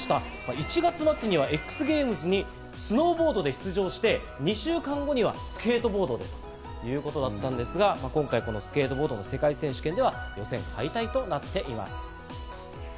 １月末にはＸＧａｍｅｓにスノーボードで出場して２週間後にはスケートボードということだったんですが、今回このスケートボードの世界選手権では予選敗退となっています。